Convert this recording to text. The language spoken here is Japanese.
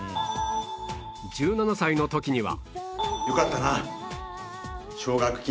１７歳の時には